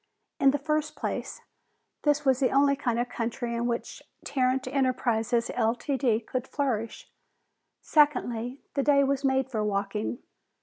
In the first place, this was the only kind of country in which Tarrant Enterprises, Ltd., could flourish. Secondly, the day was made for walking.